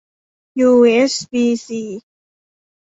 ยูเอสบีซี